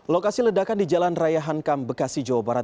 lokasi ledakan di jalan raya hankam bekasi jawa barat